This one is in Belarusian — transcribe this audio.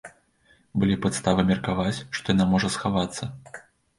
Былі падставы меркаваць, што яна можа схавацца.